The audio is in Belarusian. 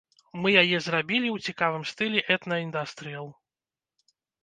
Мы яе зрабілі ў цікавым стылі этна-індастрыел.